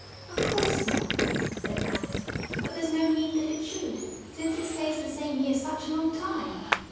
"Of course not," said Al ice, "but there's no need that it should, since it stays the same year such a long time."